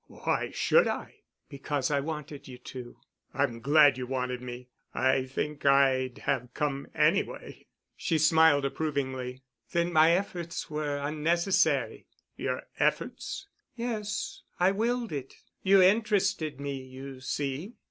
"Why should I——?" "Because I wanted you to." "I'm glad you wanted me. I think I'd have come anyway." She smiled approvingly. "Then my efforts were unnecessary." "Your efforts?" "Yes, I willed it. You interested me, you see."